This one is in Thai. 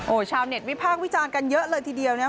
ชาวเน็ตวิพากษ์วิจารณ์กันเยอะเลยทีเดียวนะครับ